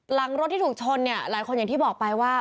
หลังรถที่ถูกชนเนี่ยหลายคนอย่างที่บอกไปว่า